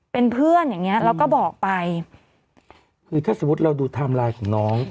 เป็นเพื่อนอย่างเงี้ยแล้วก็บอกไปคือถ้าสมมุติเราดูไทม์ไลน์ของน้อง